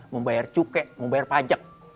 membayar cukai membayar pajak